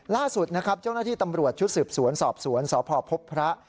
ล่าสุดนะครับเจ้าหน้าที่ตำรวจชุดสืบสวนสอบสวนสพพบพระ